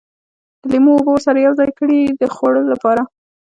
د لیمو اوبه ورسره یوځای کړي د خوړلو لپاره.